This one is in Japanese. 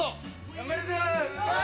頑張るぞ！